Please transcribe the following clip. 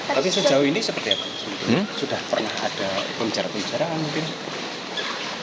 tapi sejauh ini seperti apa sudah pernah ada pembicara pembicaraan mungkin